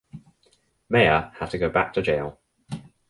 Meyer had to go back to jail.